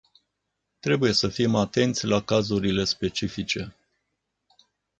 Trebuie să fim atenți la cazurile specifice.